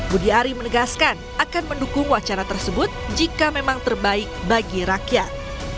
budi ari menegaskan akan mendukung wacana tersebut jika memang terbaik bagi rakyat